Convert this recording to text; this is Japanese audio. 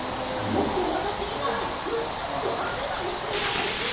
もっとワタシににあう美しく派手な衣装がほしい！